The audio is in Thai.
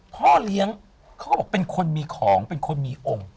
พ่อเลี้ยงเขาก็บอกเป็นคนมีของเป็นคนมีองค์